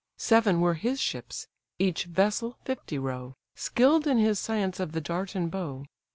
Seven were his ships; each vessel fifty row, Skill'd in his science of the dart and bow.